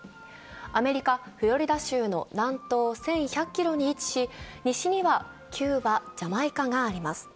アメリカ・フロリダ州の南東１１００ｋｍに位置し西にはキューバ、ジャマイカがあります。